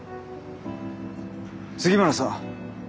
杉村さん